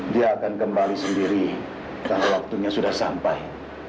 dia akan kembali sendiri karena waktunya sudah sampai